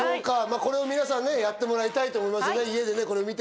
これを皆さんやってもらいたいと思いますね。